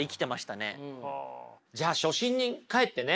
じゃあ初心に返ってね